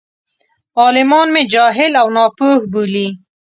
عالمان مې جاهل او ناپوه بولي.